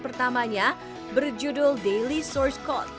pertamanya berjudul daily source code